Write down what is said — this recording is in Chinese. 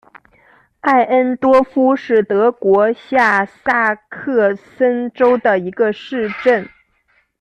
艾恩多夫是德国下萨克森州的一个市镇。